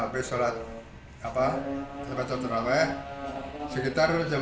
pertamina mengaku selama sepuluh empat puluh lima jam